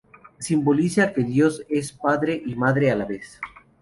Simboliza que Dios es padre y madre a la vez.